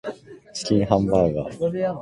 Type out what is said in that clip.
チキンハンバーガー